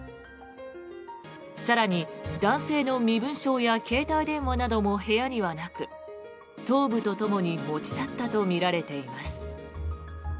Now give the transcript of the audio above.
更に、男性の身分証や携帯電話なども部屋にはなく頭部とともに持ち去ったとみられています。